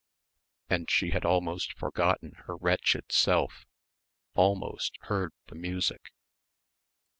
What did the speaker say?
And she had almost forgotten her wretched self, almost heard the music....